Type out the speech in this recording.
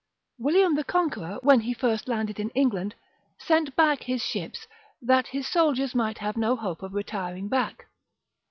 William the Conqueror, when he first landed in England, sent back his ships, that his soldiers might have no hope of retiring back.